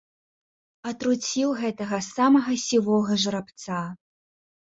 Атруціў гэтага самага сівога жарабца.